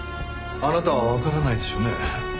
あなたはわからないでしょうね。